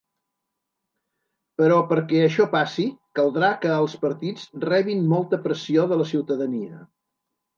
Però perquè això passi caldrà que els partits rebin molta pressió de la ciutadania.